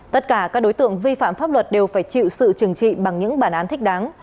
tất cả các đối tượng vi phạm pháp luật đều phải chịu sự trừng trị bằng những bản án thích đáng